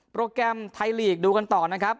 โปรแกรมไทยลีกดูกันต่อนะครับ